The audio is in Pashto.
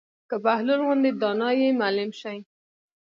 که بهلول غوندې دانا ئې معلم شي